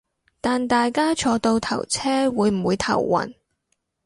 但大家坐倒頭車會唔會頭暈